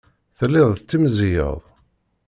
Telliḍ tettimẓiyeḍ.